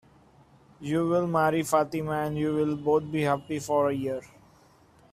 You'll marry Fatima, and you'll both be happy for a year.